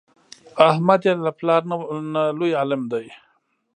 احمد یې له پلار نه لوی عالم دی.